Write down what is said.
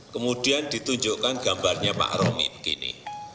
kemudian ditunjukkan gambarnya pak romi begini